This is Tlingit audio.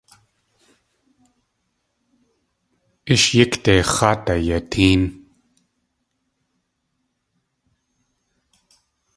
Ísh yíkde x̲áat ayatéen.